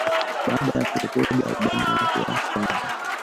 Baada ya kurekodi albamu yake ya kwanza